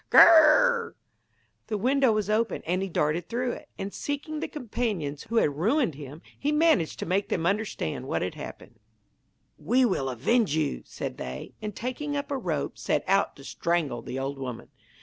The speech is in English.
Gour!' The window was open, and he darted through it; and seeking the companions who had ruined him, he managed to make them understand what had happened. 'We will avenge you,' said they; and taking up a rope, set out to strangle the old woman.